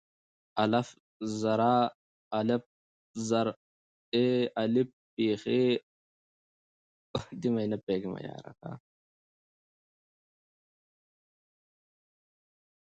الپ زر آ، الپ زر اي، الپ پېښ أو آآ اي او.